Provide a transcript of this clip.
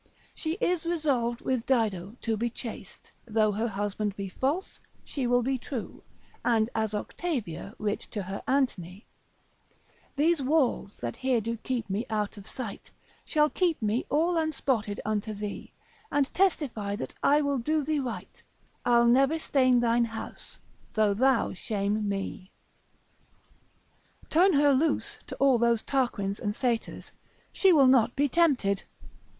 She is resolved with Dido to be chaste; though her husband be false, she will be true: and as Octavia writ to her Antony, These walls that here do keep me out of sight, Shall keep me all unspotted unto thee, And testify that I will do thee right, I'll never stain thine house, though thou shame me. Turn her loose to all those Tarquins and Satyrs, she will not be tempted.